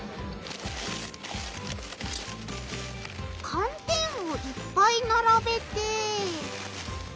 寒天をいっぱいならべて。